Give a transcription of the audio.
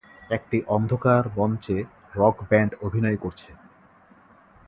একটি অন্ধকার মঞ্চে রক ব্যান্ড অভিনয় করছে।